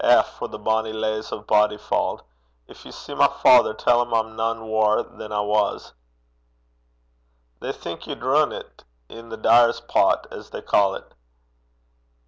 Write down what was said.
Eh for the bonnie leys o' Bodyfauld! Gin ye see my father, tell him I'm nane waur than I was.' 'They think ye droont i' the Dyer's Pot, as they ca' 't.'